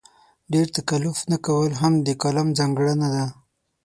ډېر تکلف نه کول هم د کالم ځانګړنه ده.